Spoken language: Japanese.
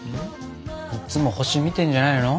いっつも星見てんじゃないの？